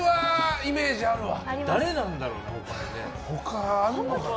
誰なんだろう、他に。